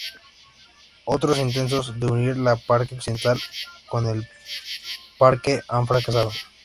Otros intentos de unir la parque occidental con el parque han fracasado.